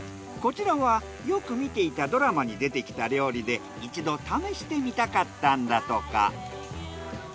こちらはよく見ていたドラマに出てきた料理で一度試してみたかったんだとか。